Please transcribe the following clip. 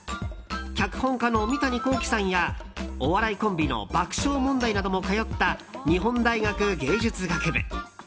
脚本家の三谷幸喜さんやお笑いコンビの爆笑問題なども通った日本大学芸術学部。